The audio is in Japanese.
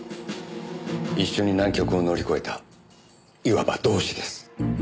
一緒に難局を乗り越えたいわば同志です。